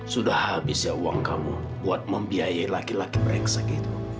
sudah habis ya uang kamu buat membiayai laki laki brengsek itu